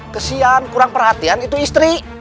kesian kurang perhatian itu istri